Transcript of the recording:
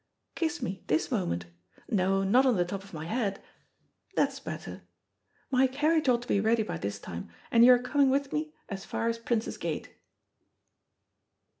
Kiss me this moment. No, not on the top of my head. That's better. My carriage ought to be ready by this time, and you are coming with me as far as Prince's Gate."